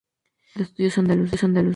Centro de Estudios Andaluces.